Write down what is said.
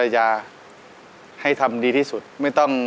ยกที่๕แล้ว